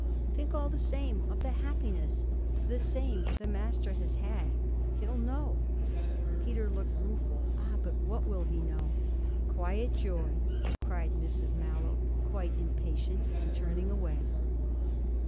Think, all the same, of the happiness the same the Master has had. He'll know.' Peter looked rueful. 'Ah but what will he know?' 'Quiet joy!' cried Mrs Mallow, quite impatient and turning away.